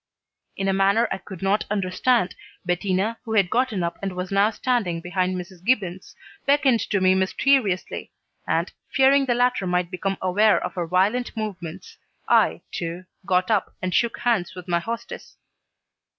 In a manner I could not understand, Bettina, who had gotten up and was now standing behind Mrs. Gibbons, beckoned to me mysteriously, and, fearing the latter might become aware of her violent movements, I, too, got up and shook hands with my hostess.